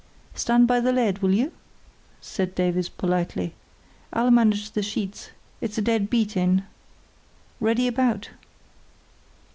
"Stand by the lead, will you?" said Davies, politely. "I'll manage the sheets, it's a dead beat in. Ready about!"